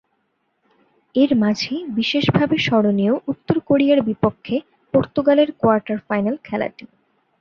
এর মাঝে বিশেষভাবে স্মরণীয় উত্তর কোরিয়ার বিপক্ষে পর্তুগালের কোয়ার্টার ফাইনাল খেলাটি।